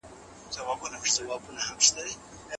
لښکر به څنگه بری راوړي له دې جنگه څخه